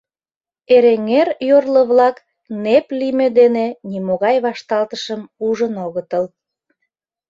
Эреҥер йорло-влак нэп лийме дене нимогай вашталтышым ужын огытыл.